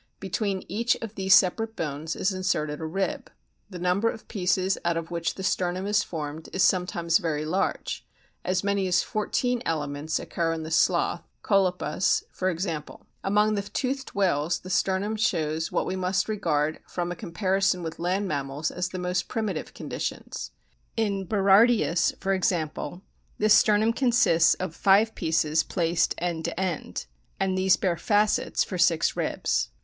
Between each of these separate bones is inserted a rib. The number of pieces out of which the sternum is formed is sometimes very large ; as many as fourteen elements occur in the Sloth (Cholcepus) for instance. Among the toothed whales the sternum shows what we must regard from a comparison with land mammals as the most primitive conditions. In Berardius, for example, the sternum consists of five pieces placed end to end, and these bear facets for six ribs.